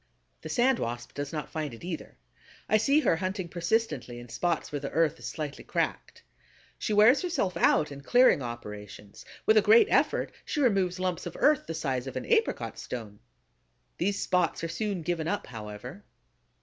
The Sand Wasp does not find it either. I see her hunting persistently in spots where the earth is slightly cracked. She wears herself out in clearing operations; with a great effort she removes lumps of earth the size of an apricot stone. These spots are soon given up, however.